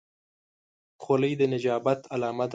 خولۍ د نجابت علامه ده.